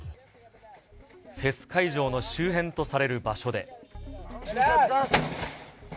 フェス会場の周辺とされる場所で。